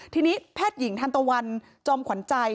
ทีนี้แพทย์หญิงทันตะวันจอมขวัญใจ